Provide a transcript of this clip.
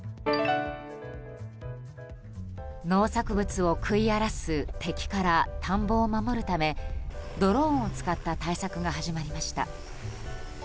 農作物を食い荒らす敵から田んぼを守るためドローンを使った対策が始まりました。